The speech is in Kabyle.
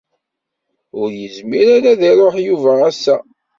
Ur yezmir ara ad d-iruḥ Yuba ass-a.